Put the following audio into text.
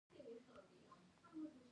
او غرور مې څومره زیات دی.